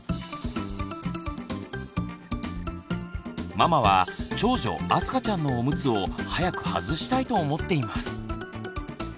ママは長女あすかちゃんのオムツを早くはずしたいと思っています。